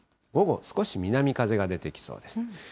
午後少し南風が出てきそうです。